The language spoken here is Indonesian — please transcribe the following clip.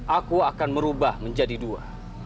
aku akan merubah menjadi dua